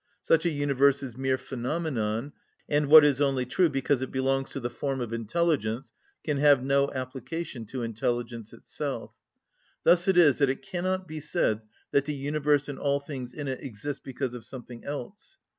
Such a universe is mere phenomenon, and what is only true because it belongs to the form of intelligence can have no application to intelligence itself. Thus it is that it cannot be said that the universe and all things in it exist because of something else.